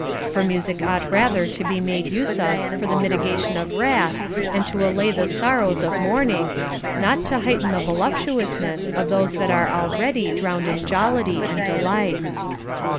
For music ought rather to be made use of for the mitigation of wrath and to allay the sorrows of mourning, not to heighten the voluptuousness of those that are already drowned in jollity and delight.